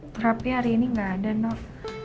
terapi hari ini gak ada nol